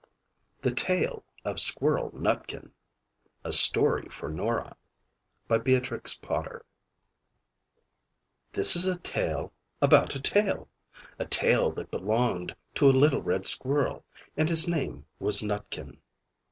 THE TALE OF SQUIRREL NUTKIN [A Story for Norah] This is a Tale about a tail a tail that belonged to a little red squirrel, and his name was Nutkin.